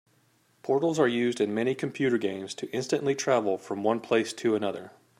Portals are used in many computer games to instantly travel from one place to another.